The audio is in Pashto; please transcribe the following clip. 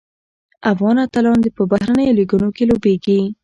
افغان اتلان په بهرنیو لیګونو کې لوبیږي.